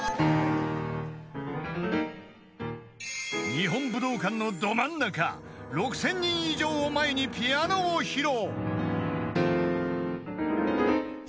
［日本武道館のど真ん中６，０００人以上を前にピアノを披露］